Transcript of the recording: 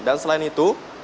dan selain itu